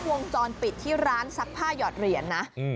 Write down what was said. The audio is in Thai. วงจรปิดที่ร้านซักผ้าหยอดเหรียญนะ